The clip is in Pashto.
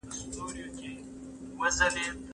انا باید له ماشوم سره په نرمه ژبه خبرې کړې وای.